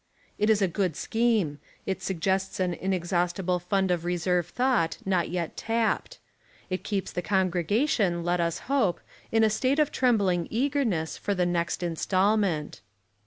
It is a good scheme. It suggests an inexhaustible fund of reserve thought not yet tapped. It keeps the congregation, let us hope, in a state of trembling eagerness for the next instalment.